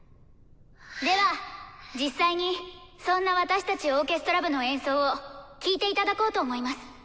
では実際にそんな私たちオーケストラ部の演奏を聴いていただこうと思います。